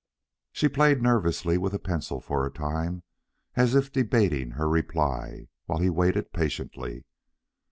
She played nervously with a pencil for a time, as if debating her reply, while he waited patiently.